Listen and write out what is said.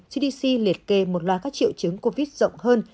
cdc liệt kê một loài các triệu chứng covid rộng hơn